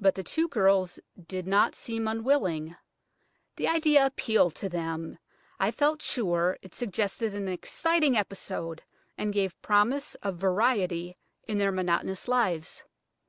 But the two girls did not seem unwilling. The idea appealed to them, I felt sure; it suggested an exciting episode, and gave promise of variety in their monotonous lives.